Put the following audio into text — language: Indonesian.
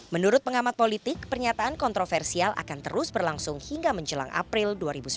menurut pengamat politik pernyataan kontroversial akan terus berlangsung hingga menjelang april dua ribu sembilan belas